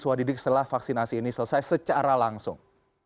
siswa didik setelah vaksinasi ini selesai secara langsung